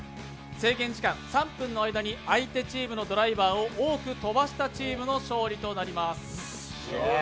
制限時間３分の間に相手チームのドライバーを多く飛ばしたチームの勝利となります。